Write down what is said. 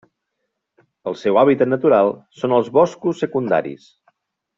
El seu hàbitat natural són els boscos secundaris.